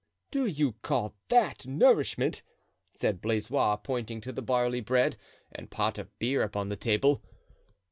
"Do you call that nourishment?" said Blaisois, pointing to the barley bread and pot of beer upon the table.